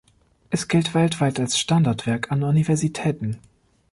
Es gilt weltweit als Standardwerk an Universitäten.